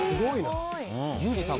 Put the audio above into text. ユージさん